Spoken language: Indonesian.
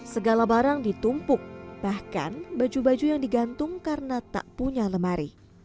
segala barang ditumpuk bahkan baju baju yang digantung karena tak punya lemari